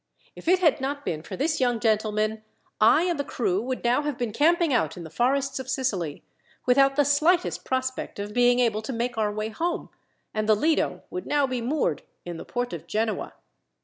If it had not been for this young gentleman, I and the crew would now have been camping out in the forests of Sicily, without the slightest prospect of being able to make our way home, and the Lido would now be moored in the port of Genoa."